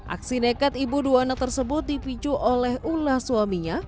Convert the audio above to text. aksi nekat ibu dua anak tersebut dipicu oleh ulah suaminya